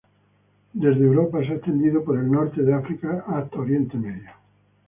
Desde Europa se ha extendido por el Norte de África y hasta Oriente Medio.